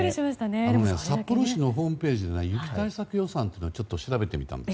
札幌市のホームページの雪対策予算というのを調べてみたんです。